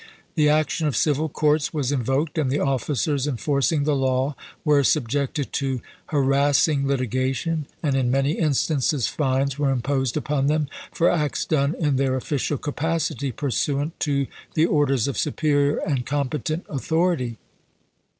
The action of civil courts was invoked, and the officers enforcing the law were subjected to harassing litiga tion, and in many instances fines were imposed upon them for acts done in their official capacity pursuant to the orders of superior and competent authority.